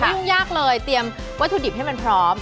ยุ่งยากเลยเตรียมวัตถุดิบให้มันพร้อม